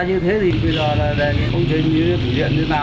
như thế thì bây giờ là đèn không chơi như thủy điện như thế nào